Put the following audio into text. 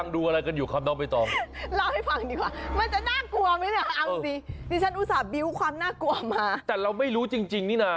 น่ากลัวมาแต่เราไม่รู้จริงนี่น่ะ